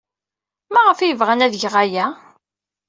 Maɣef ay bɣan ad geɣ aya?